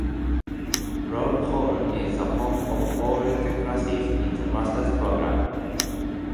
Rawls Hall is the home of all the classes in the Masters program.